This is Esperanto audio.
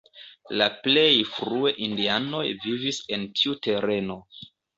La plej frue indianoj vivis en tiu tereno.